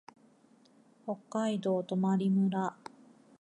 北海道泊村